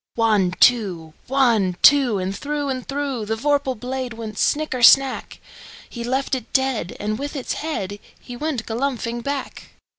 One, two! One, two! And through and throughThe vorpal blade went snicker snack! He left it dead, and with its headHe went galumphing back.